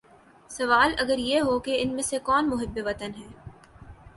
سوال اگر یہ ہو کہ ان میں سے کون محب وطن ہے